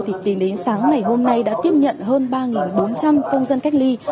thì tính đến sáng ngày hôm nay đã tiếp nhận hơn ba bốn trăm linh công dân cách ly